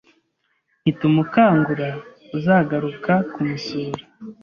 ntitumukangura uzagaruka kumusura,